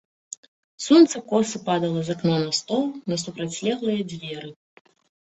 Сонца коса падала з акна на стол, на супрацьлеглыя дзверы.